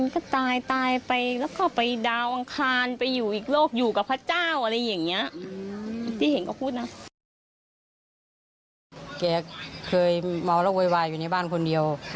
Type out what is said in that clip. แกเคยเมาแล้วโวยวายอยู่ในบ้านคนเดียว